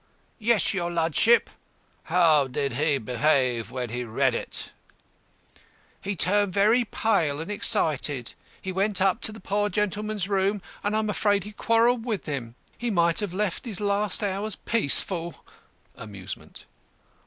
"Yes, your ludship." "How did he behave when he read it?" "He turned very pale and excited. He went up to the poor gentleman's room, and I'm afraid he quarrelled with him. He might have left his last hours peaceful." (Amusement.)